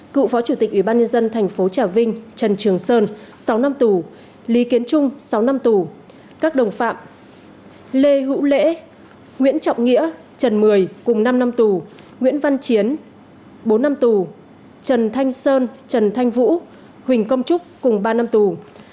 cựu phó chủ tịch ủy ban nhân dân thành phố trà vinh trần trường sơn sáu năm tù